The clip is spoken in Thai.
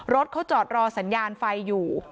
รถเขาจอดรอสัญญาณไฟอยู่